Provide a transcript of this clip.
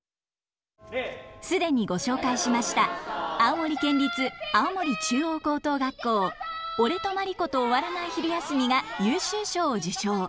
既にご紹介しました青森県立青森中央高等学校「俺とマリコと終わらない昼休み」が優秀賞を受賞。